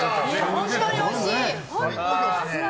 本当においしい！